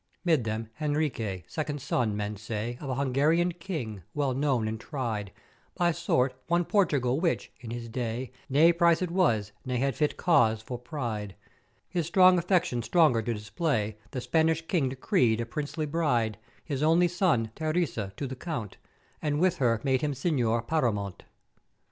"'Mid them Henrique, second son, men say, of a Hungarian King, well known and tried, by sort won Portugal which, in his day, ne prizèd was ne had fit cause for pride: His strong affection stronger to display the Spanish King decreed a princely bride, his only child, Teresa, to the count; And with her made him Seigneur Paramount.